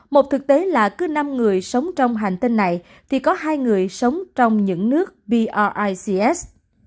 một thực tế là cứ năm người sống trong hành tinh này thì có hai người sống trong những nước bics